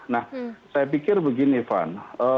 nah saya pikir begini van